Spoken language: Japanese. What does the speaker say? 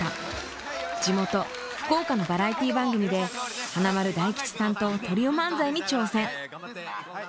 地元福岡のバラエティー番組で華丸・大吉さんとトリオ漫才に挑戦。